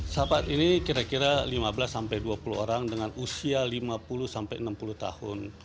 sahabat ini kira kira lima belas sampai dua puluh orang dengan usia lima puluh sampai enam puluh tahun